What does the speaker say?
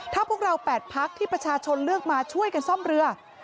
ถ้าพวกเรา๘พักที่ประชาชนเลือกมาช่วยกันซ่อมเรือ